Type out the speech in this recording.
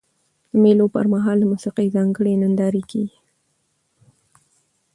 د مېلو پر مهال د موسیقۍ ځانګړي نندارې کیږي.